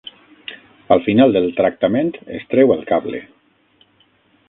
Al final del tractament es treu el cable.